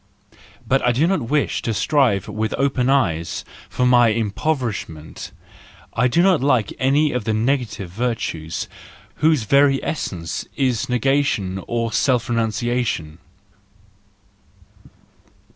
But I do not mean to strive with open eyes for my impoverishment; I do not like any of the negative SANCTUS JANUARIUS 239 virtues whose very essence is negation and self renunciation.